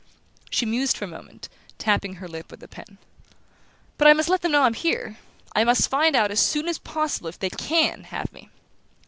She mused for a moment, tapping her lip with the pen. "But I must let them know I'm here. I must find out as soon as possible if they CAN, have me."